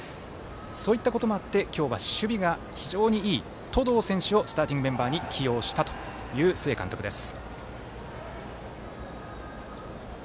そういったこともあって今日は守備が非常にいい登藤選手をスターティングメンバーに起用したという須江監督です。